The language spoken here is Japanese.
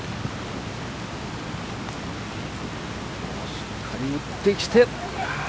しっかり打ってきてああ！